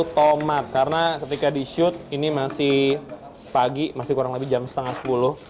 tomat karena ketika di shoot ini masih pagi masih kurang lebih jam setengah sepuluh